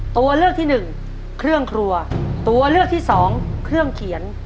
ตัวเลือกที่หนึ่งเครื่องครัวตัวเลือกที่สองเครื่องเขียน